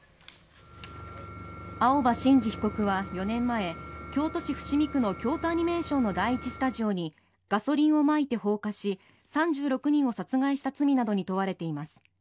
青葉真司被告は４年前京都市伏見区の京都アニメーションの第１スタジオにガソリンをまいて放火し３６人を殺害した罪などに問われています。